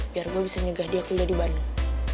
biar gue bisa nyegah dia kuliah di bandung